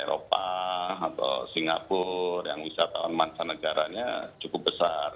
eropa atau singapura yang wisatawan mancanegaranya cukup besar